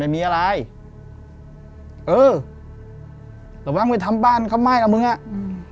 ไม่มีอะไรเออระวังไปทำบ้านเขาไหม้แล้วมึงอ่ะอืม